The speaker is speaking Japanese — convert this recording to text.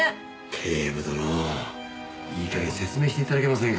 警部殿いい加減説明して頂けませんか？